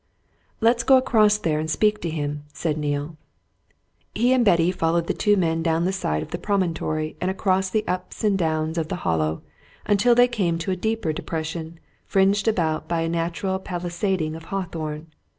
"Let's go across there and speak to him," said Neale. He and Betty followed the two men down the side of the promontory and across the ups and downs of the Hollow, until they came to a deeper depression fringed about by a natural palisading of hawthorn.